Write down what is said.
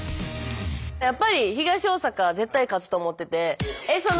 やっぱり東大阪絶対勝つと思ってて。